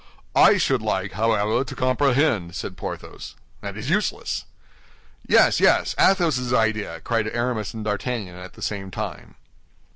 "I should like, however, to comprehend," said Porthos. "That is useless." "Yes, yes! Athos's idea!" cried Aramis and D'Artagnan, at the same time.